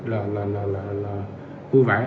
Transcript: là vui vẻ